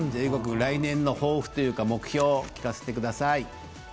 来年の抱負というか目標を聞かせてください。